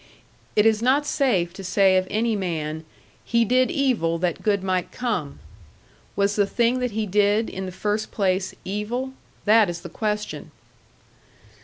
It is not safe to say of any man, "He did evil that good might come." Was the thing that he did, in the first place, evil? That is the question.